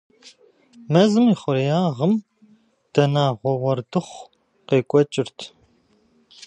Мазэм и хъуреягъым дэнагъуэ уэрдыхъу къекӀуэкӀырт.